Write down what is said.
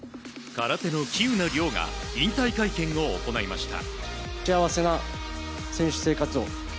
空手の喜友名諒が引退会見を行いました。